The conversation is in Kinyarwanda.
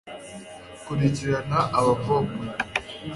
Kurikirana abakobwa